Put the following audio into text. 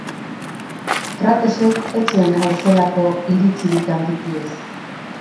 Kratesek ez zuen ezelako iritzirik handikiez.